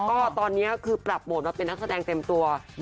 ก็ตอนนี้คือปรับโหมดมาเป็นนักแสดงเต็มตัว